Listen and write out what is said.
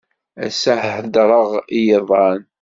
Ass-a ḥedṛeɣ i yiḍan.